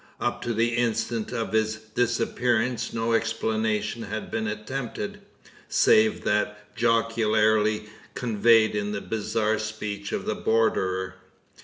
Up to the instant of its disappearance no explanation had been attempted save that jocularly conveyed in the bizarre speech of the borderer.